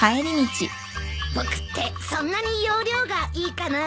僕ってそんなに要領がいいかな。